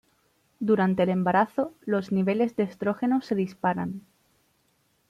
Durante el embarazo, los niveles de estrógenos se disparan.